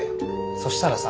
そしたらさ